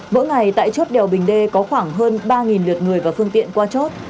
mỗi ngày tại chốt đèo bình đê có khoảng hơn ba lượt người và phương tiện qua chốt